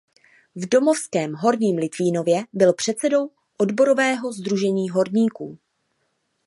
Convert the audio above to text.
V domovském Horním Litvínově byl předsedou odborového sdružení horníků.